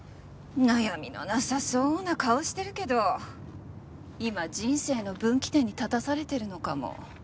悩みのなさそうな顔してるけど今人生の分岐点に立たされてるのかも。